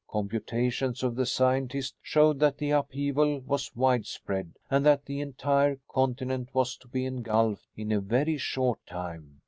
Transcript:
Computations of the scientists showed that the upheaval was widespread and that the entire continent was to be engulfed in a very short time.